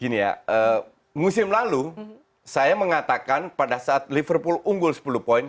gini ya musim lalu saya mengatakan pada saat liverpool unggul sepuluh poin